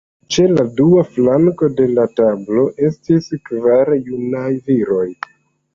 Ĉe la dua flanko de la tablo estis kvar junaj viroj.